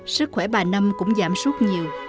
sức khỏe bà nam cũng giảm suốt nhiều